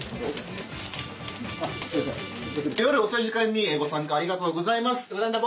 夜遅い時間にご参加ありがとうございます。